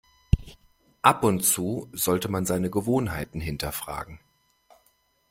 Ab und zu sollte man seine Gewohnheiten hinterfragen.